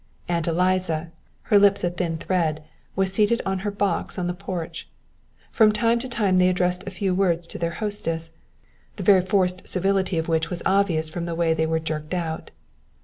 Aunt Eliza, her lips a thin thread, was seated on her box in the porch. From time to time they addressed a few words to their hostess, the very forced civility of which was obvious from the way they were jerked out.